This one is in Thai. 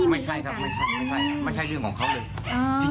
ไม่ใช่ครับไม่ใช่ไม่ใช่เรื่องของเขาเลย